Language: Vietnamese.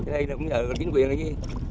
đây là cũng nhờ chính quyền này đi